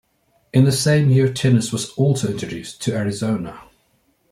In the same year tennis was also introduced in Arizona.